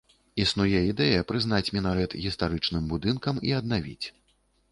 Існуе ідэя прызнаць мінарэт гістарычным будынкам і аднавіць.